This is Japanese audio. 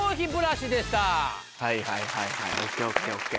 はいはいはいはいＯＫＯＫＯＫ。